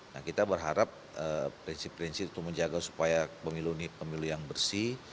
nah kita berharap prinsip prinsip itu menjaga supaya pemilu ini pemilu yang bersih